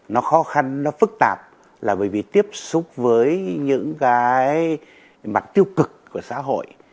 nó khó khăn nó phức tạp là bởi vì tiếp xúc với những cái mặt tiêu cực của xã hội